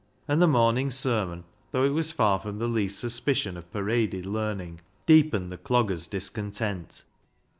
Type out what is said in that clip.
And the morning's sermon, though it was far from the least suspicion of paraded learning, deepened the dogger's discontent.